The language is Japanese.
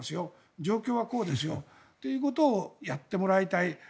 状況はこうですよということをやってもらいたい。